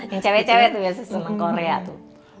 yang cewek cewek tuh biasa senang korea tuh